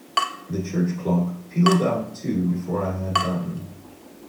The church clock pealed out two before I had done.